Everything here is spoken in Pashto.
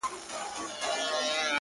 او تا ته پناه دروړمه